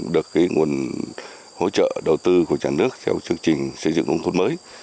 được cái nguồn hỗ trợ đầu tư của trang nước theo chương trình xây dựng đúng thuật mới